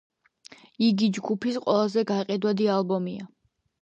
იგი ჯგუფის ყველაზე გაყიდვადი ალბომია.